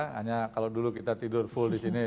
hanya kalau dulu kita tidur full di sini